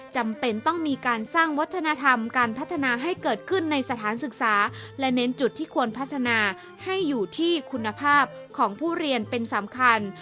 จำเป็นต้องมีการสร้างวัฒนธรรมการพัฒนาให้เกิดขึ้นในสถานศึกษาและเน้นจุดที่ควรพัฒนาให้อยู่ที่คุณภาพของผู้เรียนเป็นสำคัญ